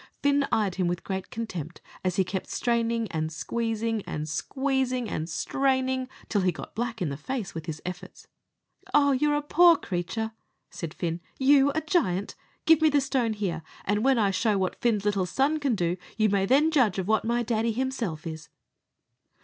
Fin eyed him with great contempt, as he kept straining and squeezing and squeezing and straining, till he got black in the face with the efforts. "Ah, you're a poor creature!" said Fin. "You a giant! Give me the stone here, and when I'll show what Fin's little son can do; you may then judge of what my daddy himself is."